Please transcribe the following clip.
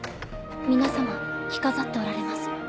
皆様着飾っておられます。